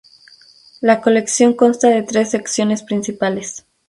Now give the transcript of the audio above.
La colección consta de tres secciones principales.